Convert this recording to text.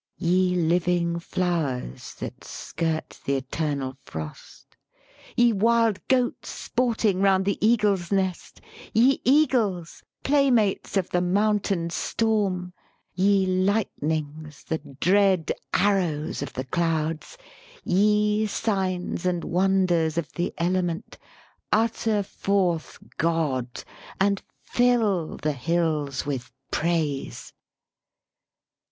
Ye living flowers that skirt the eternal frost! Ye wild goats sporting round the eagle's nest! Ye eagles, play mates of the mountain storm! Ye lightnings, the dread arrows of the clouds! Ye signs and wonders of the element! Utter forth God, and fill the hills with praise!